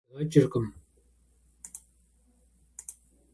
Абы ӏуэхур етхъуэфауэу зэфӏигъэкӏыркъым.